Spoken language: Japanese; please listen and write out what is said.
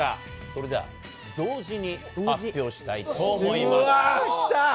それでは、同時に発表したいと思うわー、きたー。